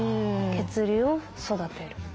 血流を育てる。